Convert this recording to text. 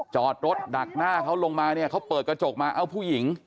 จอดรถดักหน้าเขาลงมาเนี่ยเขาเปิดกระจกมาเอ้าผู้หญิง